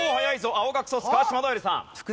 青学卒川島如恵留さん。